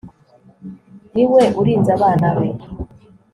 ni we urinze abana be